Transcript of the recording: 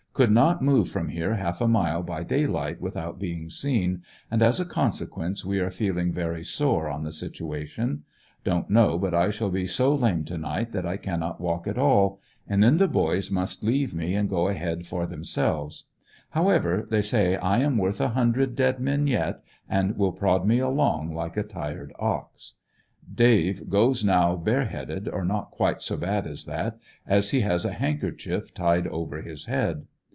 Could not move from here half a mile by daylight without being seen, and as a consequence we are feeling very sore on the situation Don't know but I shall be so lame to night that I cannot walk at all, and then the boys must leave me and go ahead for themselves. However, they say I am worth a hundred dead men yet, and will prod me along like a tired ox. Dave goes now bareheaded, or not quite so bad as that, as he has a handkerchief tied over his head.